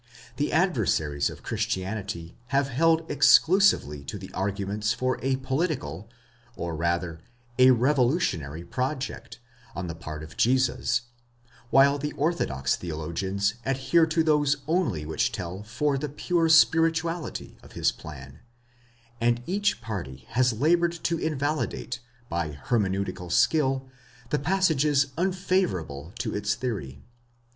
The adversaries of Christianity have held exclusively to the arguments for a political, or rather a revolutionary, project, on the part of Jesus, while the orthodox theologians adhere to those only which tell for the pure spirituality of his plan: and each party has laboured to invalidate by hermeneutical skill the passages unfavourable to its theory.